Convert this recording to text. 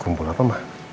kumpul apa mah